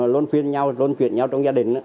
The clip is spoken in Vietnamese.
luôn phiên nhau luôn chuyển nhau trong gia đình